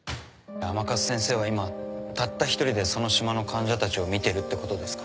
「甘春先生は今たった一人でその島の患者たちを診てるってことですか？」